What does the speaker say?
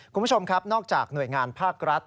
คุณผู้ชมครับนอกจากหน่วยงานภาครัฐ